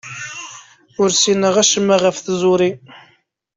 Ur ssineɣ acemma ɣef tẓuri.